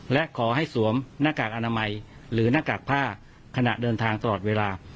และขอให้สวมหน้ากากอนามัยหรือหน้ากากผ้าขณะเดินทางตลอดเวลา